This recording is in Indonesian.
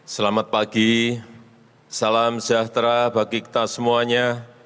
selamat pagi salam sejahtera bagi kita semuanya